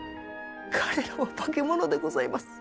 彼らは化け物でございます！